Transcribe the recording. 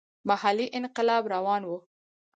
محلي انقلاب روان وو.